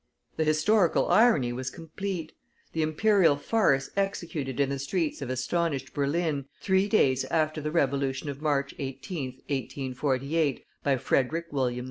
The historical irony was complete; the Imperial farce executed in the streets of astonished Berlin, three days after the Revolution of March 18th, 1848, by Frederick William IV.